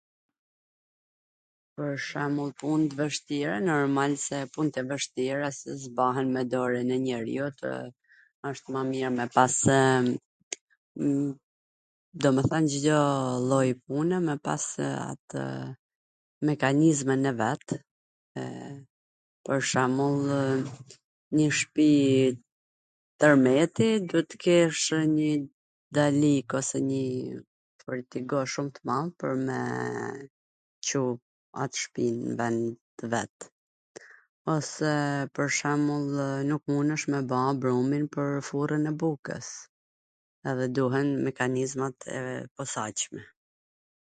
Pwr shemull, pun t vwshtira, normal, se punt e vwshtira s bahen me dorwn e njeriut, wsht ma mir me pasw... domethwn Cdo lloj pune me pas atw mekanizmin e vet, pwr shwmbullw, nji shpi twrmeti duhet tw kesh njw dalik ose njw fortigo shum t madh pwr me Cu at shpi n ven t vet.